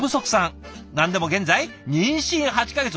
何でも現在妊娠８か月。